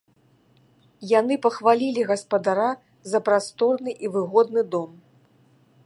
Яны пахвалілі гаспадара за прасторны і выгодны дом.